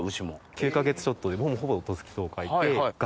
９か月ちょっとでほぼ十月十日いて。